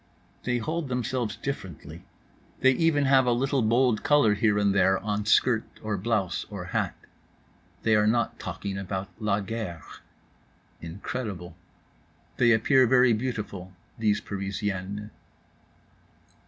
They hold themselves differently. They have even a little bold color here and there on skirt or blouse or hat. They are not talking about La Guerre. Incredible. They appear very beautiful, these Parisiennes.